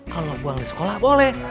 kalau buang di sekolah boleh